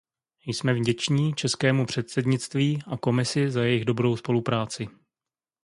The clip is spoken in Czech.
Jsme vděční českému předsednictví a Komisi za jejich dobrou spolupráci.